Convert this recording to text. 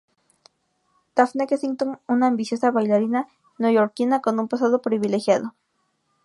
Daphne Kensington, una ambiciosa bailarina neoyorquina con un pasado privilegiado.